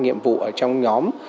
nhiệm vụ ở trong nhóm